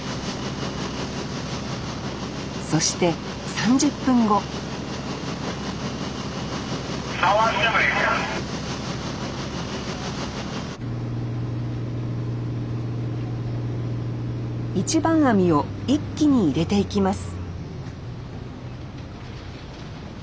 そして３０分後一番網を一気に入れていきます